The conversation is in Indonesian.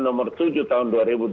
nomor tujuh tahun dua ribu dua puluh